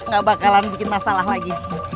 gak bakalan bikin masalah lagi